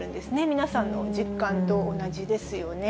皆さんの実感と同じですよね。